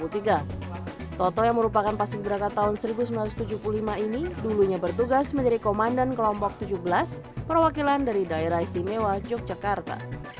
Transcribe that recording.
toto yang merupakan paski beraka tahun seribu sembilan ratus tujuh puluh lima ini dulunya bertugas menjadi komandan kelompok tujuh belas perwakilan dari daerah istimewa yogyakarta